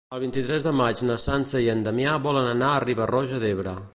El vint-i-tres de maig na Sança i en Damià volen anar a Riba-roja d'Ebre.